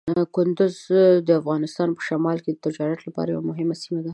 کندز د افغانستان په شمال کې د تجارت لپاره یوه مهمه سیمه ده.